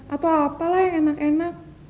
atau apalah yang enak enak